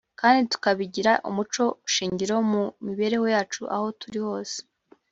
kandi tukabigira umuco shingiro mu mibereho yacu aho turi hose